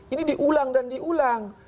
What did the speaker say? ini diulang dan diulang